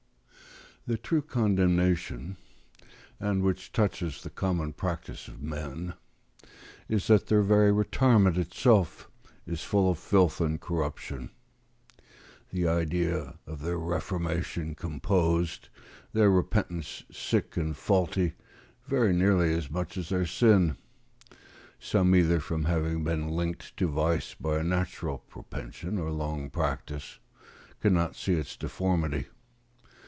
The true condemnation, and which touches the common practice of men, is that their very retirement itself is full of filth and corruption; the idea of their reformation composed, their repentance sick and faulty, very nearly as much as their sin. Some, either from having been linked to vice by a natural propension or long practice, cannot see its deformity.